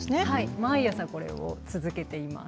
毎朝これを続けています。